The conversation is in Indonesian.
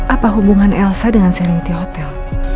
apa hubungan elsa dengan saniti hotel